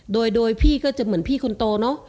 โดยพี่ก็จะเหมือนพี่คนโตเนอะ